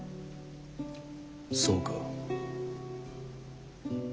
そうか。